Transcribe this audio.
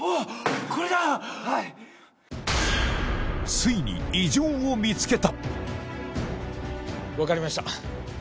ついに異常を見つけた！